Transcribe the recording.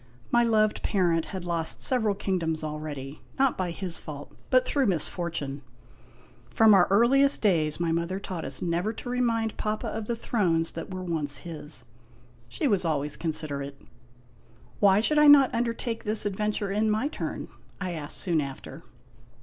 My loved parent had lost several kingdoms already not by his fault, but through misfortune. From our earliest days my mother taught us never to remind Papa of the thrones that were once his. She was always considerate. " Why should I not undertake this adventure in my turn ?' I asked soon after.